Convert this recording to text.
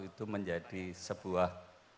itu menjadi sebuah